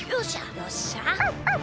よっしゃ。